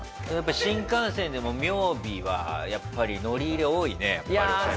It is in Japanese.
新幹線でも雅美はやっぱり乗り入れ多いね路線のね。